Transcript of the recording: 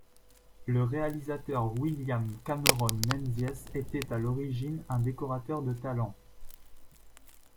Le réalisateur William Cameron Menzies était à l'origine un décorateur de talent.